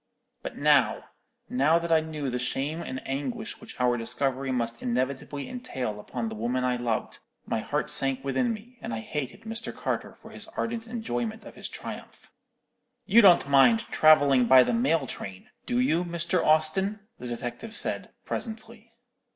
But now, now that I knew the shame and anguish which our discovery must inevitably entail upon the woman I loved, my heart sank within me, and I hated Mr. Carter for his ardent enjoyment of his triumph. "'You don't mind travelling by the mail train, do you, Mr. Austin?' the detective said, presently.